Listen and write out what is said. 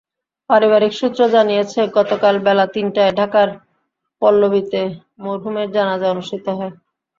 পারিবারিক সূত্র জানিয়েছে, গতকাল বেলা তিনটায় ঢাকার পল্লবীতে মরহুমের জানাজা অনুষ্ঠিত হয়।